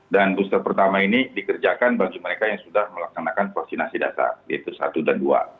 dan booster pertama ini dikerjakan bagi mereka yang sudah melaksanakan vaksinasi dasar yaitu satu dan dua